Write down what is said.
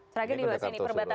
sragen di luar sini perbatasan